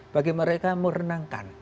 bagi mereka merenangkan